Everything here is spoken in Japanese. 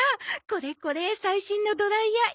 これこれ最新のドライヤー。